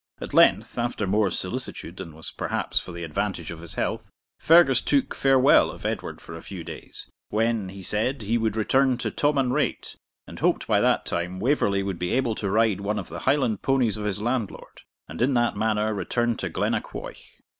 At length, after more solicitude than was perhaps for the advantage of his health, Fergus took farewell of Edward for a few days, when, he said, he would return to Tomanrait, and hoped by that time Waverley would be able to ride one of the Highland ponies of his landlord, and in that manner return to Glennaquoich.